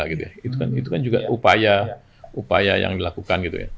itu kan juga upaya yang dilakukan